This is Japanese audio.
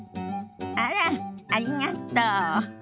あらっありがとう。